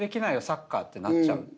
サッカーってなっちゃう。